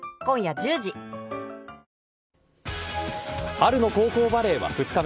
春の高校バレーは２日目。